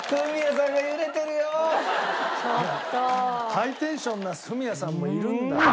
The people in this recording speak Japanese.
ハイテンションなフミヤさんもいるんだね。